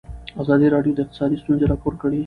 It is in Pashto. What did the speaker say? ازادي راډیو د اقتصاد ستونزې راپور کړي.